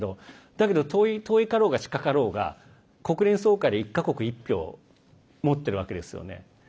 だけど遠かろうが近かろうが国連総会で１か国１票持ってるわけですよね。